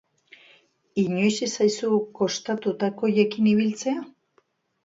Inoiz ez zaizu kostatu takoiekin ibiltzea?